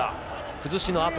崩しのあと。